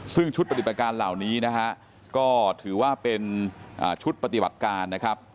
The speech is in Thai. ซึ่งชุดปฏิบัติการเหล่านี้นะฮะก็ถือว่าเป็นชุดปฏิบัติการนะครับ